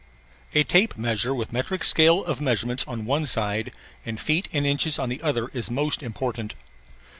A tape measure with metric scale of measurements on one side and feet and inches on the other is most important.